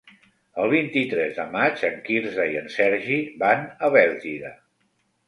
El vint-i-tres de maig en Quirze i en Sergi van a Bèlgida.